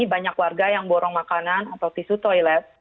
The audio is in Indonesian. banyak warga yang borong makanan atau tisu toilet